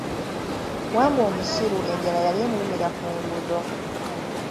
Wambwa omusiru enjala yali emulumira ku nguudo.